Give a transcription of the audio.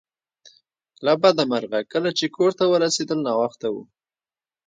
له بده مرغه کله چې کور ته ورسیدل ناوخته و